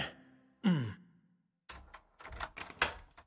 うん。